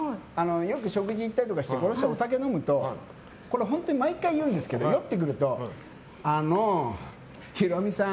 よく食事行ったりとかしてこの人がお酒飲むとこれ本当に毎回言うんですけど酔ってくるとあの、ヒロミさん。